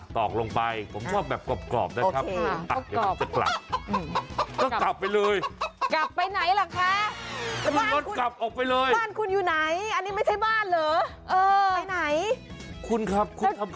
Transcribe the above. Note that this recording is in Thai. ตอกลงไปผมชอบแบบกรอบนะครับ